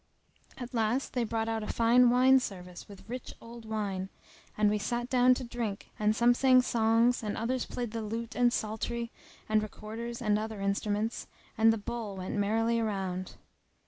At last they brought out a fine wine service with rich old wine; and we sat down to drink and some sang songs and others played the lute and psaltery and recorders and other instruments, and the bowl went merrily round.